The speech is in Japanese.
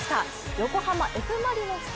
横浜Ｆ・マリノス×